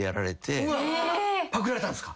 パクられたんすか？